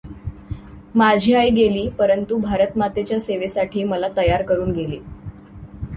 माझी आई गेली; परंतु भारतमातेच्या सेवेसाठी मला तयार करून गेली.